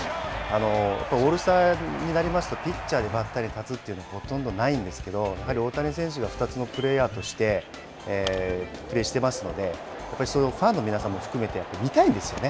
やっぱオールスターになりますと、ピッチャーでバッターに立つというのは、ほとんどないんですけど、やっぱり大谷選手が２つのプレーヤーとしてプレーしていますので、やっぱりファンの皆さんも含めて、見たいんですよね。